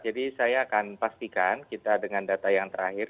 jadi saya akan pastikan kita dengan data yang terakhir